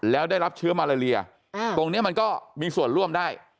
แล้วได้รับเชื้อมาเลียตรงนี้มันก็มีส่วนร่วมได้